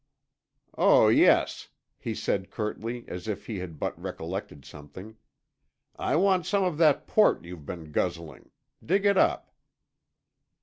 "Oh, yes," he said curtly, as if he had but recollected something. "I want some of that port you've been guzzling. Dig it up."